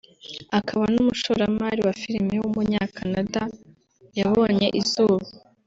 akaba n’umushoramari wa filime w’umunyakanada yabonye izuba